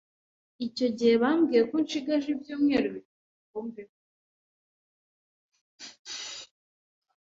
Icyo gihe bambwiye ko nshigaje ibyumweru bitatu ngo mbeho